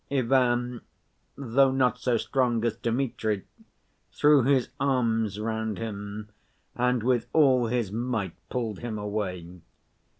Ivan, though not so strong as Dmitri, threw his arms round him, and with all his might pulled him away.